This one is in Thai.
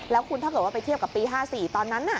แล้วคุณถ้าเกิดว่าไปเทียบกับปี๕๔ตอนนั้น